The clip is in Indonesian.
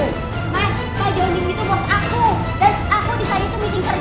mas pak johan itu bos aku